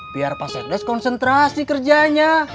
biar pak sekdes konsentrasi kerjanya